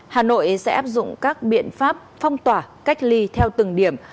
hà nội sẽ áp dụng các biện pháp phong tỏa cách ly theo từng điểm